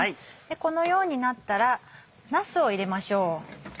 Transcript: このようになったらなすを入れましょう。